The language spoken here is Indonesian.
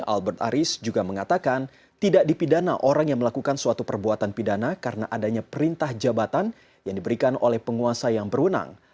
albert aris juga mengatakan tidak dipidana orang yang melakukan suatu perbuatan pidana karena adanya perintah jabatan yang diberikan oleh penguasa yang berwenang